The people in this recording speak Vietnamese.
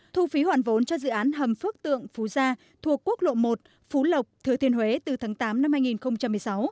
thu phí hoàn vốn cho dự án hầm phước tượng phú gia thuộc quốc lộ một phú lộc thừa thiên huế từ tháng tám năm hai nghìn một mươi sáu